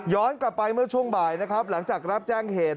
ย้อนกลับไปเมื่อช่วงบ่ายหลังจากรับแจ้งเหตุ